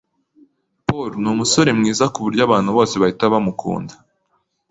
Paul numusore mwiza kuburyo abantu bose bahita bamukunda.